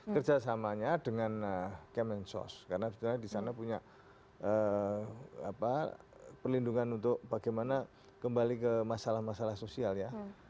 kerjasamanya dengan kemensos karena sebenarnya di sana punya perlindungan untuk bagaimana kembali ke masalah masalah sosial ya